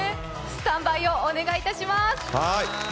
スタンバイをお願いいたします。